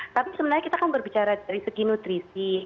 tapi sebenarnya kita kan berbicara dari segi nutrisi